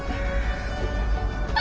あ！